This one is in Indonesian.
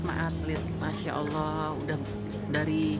masya allah udah dari